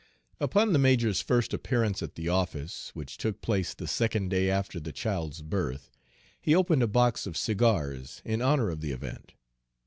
Upon the major's first appearance at the office, which took place the second day after the child's birth, he opened a box of cigars in honor of the event.